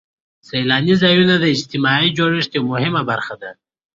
سیلاني ځایونه د اجتماعي جوړښت یوه مهمه برخه ده.